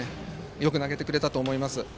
よく投げてくれたと思います。